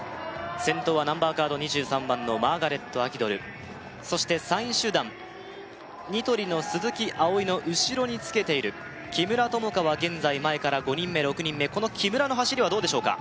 先頭はナンバーカード２３番のマーガレット・アキドルそして３位集団ニトリの鈴木葵の後ろにつけている木村友香は現在前から５人目６人目この木村の走りはどうでしょうか？